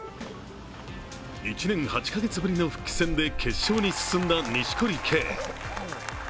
１年８か月ぶりの復帰戦で決勝に進んだ錦織圭。